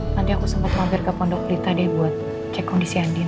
nanti aku sempet hampir ke pondok pelita deh buat cek kondisi andin